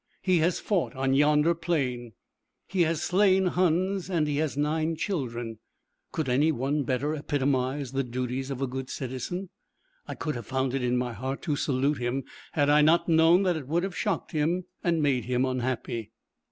He has fought on yonder plain. He has slain Huns, and he has nine children. Could any one better epitomise the duties of a good citizen? I could have found it in my heart to salute him had I not known that it would have shocked him and made him unhappy.